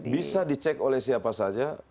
bisa dicek oleh siapa saja